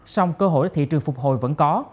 xong cơ hội thị trường phục hồi vẫn có